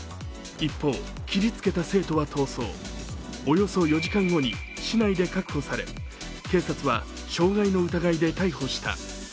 一方、切りつけた生徒は逃走およそ４時間後に市内で確保され警察は傷害の疑いで逮捕した。